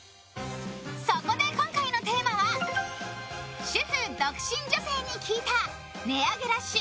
そこで、今回のテーマは主婦・独身女性に聞いた値上げラッシュ！